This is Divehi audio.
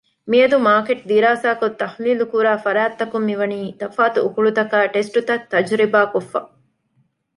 މިއަދު މާރކެޓް ދިރާސާކޮށް ތަޙްލީލުކުރާ ފަރާތްތަކުން މިވަނީ ތަފާތު އުކުޅުތަކާއި ޓެސްޓްތައް ތަޖުރިބާކޮށްފަ